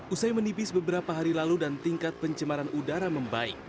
usai menipis beberapa hari lalu dan tingkat pencemaran udara membaik